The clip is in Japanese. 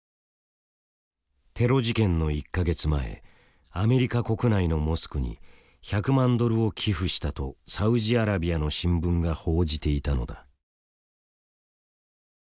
テロ事件の１か月前アメリカ国内のモスクに１００万ドルを寄付したとサウジアラビアの新聞が報じていたのだ。